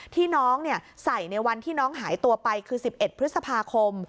ที่น้องใส่ในวันที่น้องหายตัวไปคือ๑๑พฤษภาคม